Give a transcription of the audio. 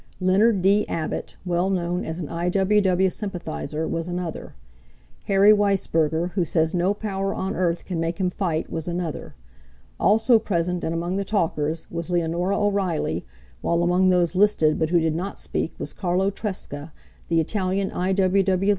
Leonard D. Abbott, well known as an I. W. W. sympathizer, was another. Harry Weissberger, who says no power on earth can make him fight, was another. Also present and among the talkers was Leonora O'Reilly, while among those listed but who did not speak was Carlo Tresca, the Italian I. W. W.